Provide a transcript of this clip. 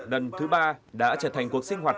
lần thứ ba đã trở thành cuộc sinh hoạt